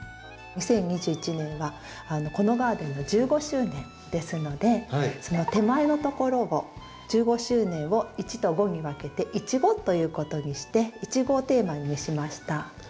２０２１年はこのガーデンの１５周年ですので手前のところを１５周年を「１」と「５」に分けて「イチゴ」ということにしてイチゴをテーマにしました。